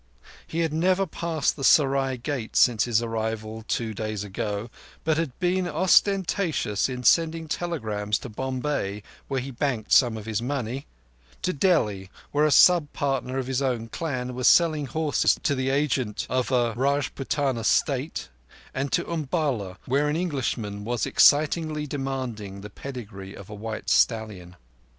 He had never passed the serai gate since his arrival two days ago, but had been ostentatious in sending telegrams to Bombay, where he banked some of his money; to Delhi, where a sub partner of his own clan was selling horses to the agent of a Rajputana state; and to Umballa, where an Englishman was excitedly demanding the pedigree of a white stallion.